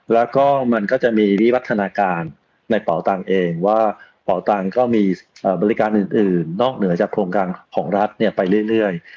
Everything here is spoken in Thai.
แล้วก็มันก็จะมีวิวัฒนาการในเป่าตังเองว่าเป่าตังก็มีบริการอื่นนอกเหนือจากโครงการของรัฐไปเรื่อย